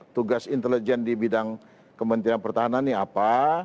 tugas intelijen di bidang kementerian pertahanan ini apa